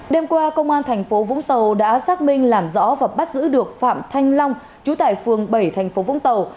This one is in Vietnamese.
đêm qua công an tp vũng tàu đã xác minh làm rõ và bắt giữ được phạm thanh long trú tại phường bảy tp vũng tàu